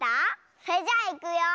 それじゃあいくよ。